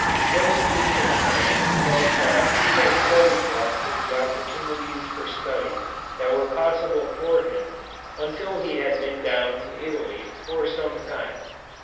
No student of science felt that he had quite exhausted the opportunities for study that were possible for him until he had been down in Italy for some time.